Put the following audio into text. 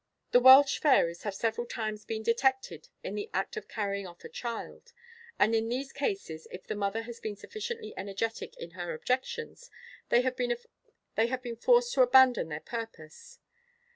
The Welsh fairies have several times been detected in the act of carrying off a child; and in these cases, if the mother has been sufficiently energetic in her objections, they have been forced to abandon their purpose.